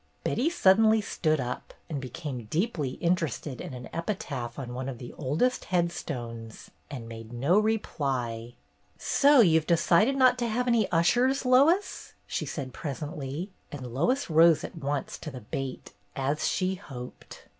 Betty suddenly stood up and became deeply interested in an epitaph on one of the oldest headstones and made no reply. " So you 've decided not to have any ushers. THIS WAY FOR MARYLAND! 281 Lois?" she said presently, and Lois rose at once to the bait, as she hoped.